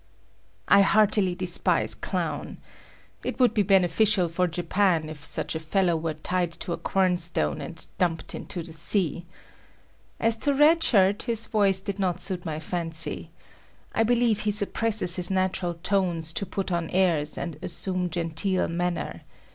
I heartily despise Clown. It would be beneficial for Japan if such a fellow were tied to a quernstone and dumped into the sea. As to Red Shirt, his voice did not suit my fancy. I believe he suppresses his natural tones to put on airs and assume genteel manner.